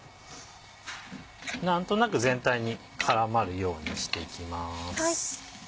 何となく全体に絡まるようにしていきます。